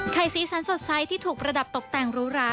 ไข่ซีสันสดใสที่ถูกระดับตกแต่งรูรา